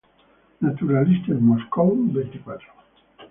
Naturalistes Moscou" xxiv.